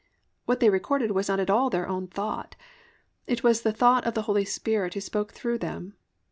What they recorded was not at all their own thought, it was the thought of the Holy Spirit who spoke through them.